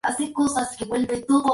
Todo lo que hay que saber".